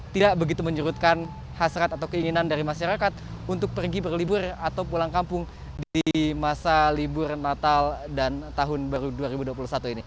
tidak begitu menyerutkan hasrat atau keinginan dari masyarakat untuk pergi berlibur atau pulang kampung di masa libur natal dan tahun baru dua ribu dua puluh satu ini